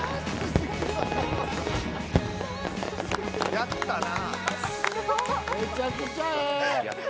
やったな。